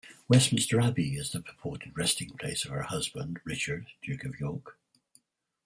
Westminster Abbey is the purported resting place of her husband, Richard Duke of York.